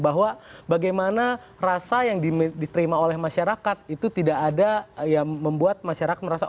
bahwa bagaimana rasa yang diterima oleh masyarakat itu tidak ada yang membuat masyarakat merasa